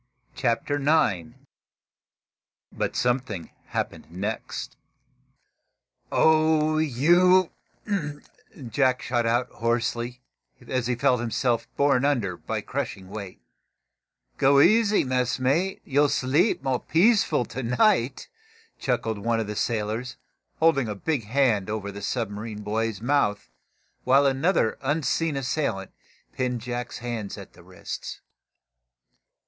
CHAPTER IX BUT SOMETHING HAPPENED NEXT "Oh, you " Jack shot out, hoarsely, he felt himself borne under by crushing weight. "Go easy, messmate, and you'll sleep more peaceful to night!" chuckled one of the sailors, holding a big hand over the submarine boy's mouth, while another unseen assailant pinned Jack's hands at the wrists.